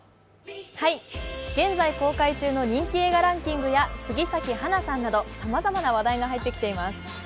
現在公開中の人気ランキングや杉咲花さんなどさまざまな話題が入ってきています。